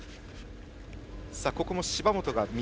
ここも芝本が右。